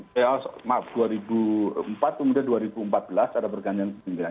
maaf dua ribu empat kemudian dua ribu empat belas ada pergantian ke sembilan